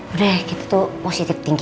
udah kita tuh positif tinggi